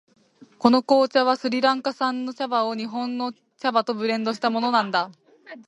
この紅茶はスリランカ産の茶葉を日本の茶葉とブレンドしたものなんだ。